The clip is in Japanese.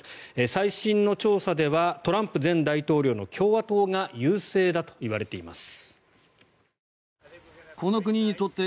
最新の調査ではトランプ前大統領の共和党が優勢だといわれています。